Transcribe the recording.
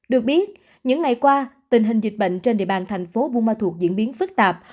được biết những ngày qua tình hình dịch bệnh trên địa bàn thành phố buôn ma thuột diễn biến phức tạp